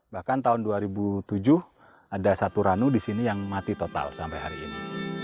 bahkan tahun dua ribu tujuh ada satu ranu di sini yang mati total sampai hari ini